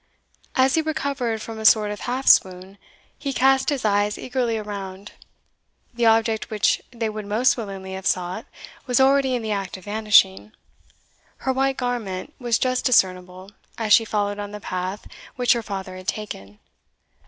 As he recovered from a sort of half swoon, he cast his eyes eagerly around. The object which they would most willingly have sought, was already in the act of vanishing. Her white garment was just discernible as she followed on the path which her father had taken.